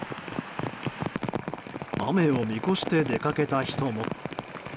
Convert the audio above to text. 雨を見越して出かけた人も。